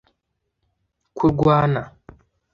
kurwana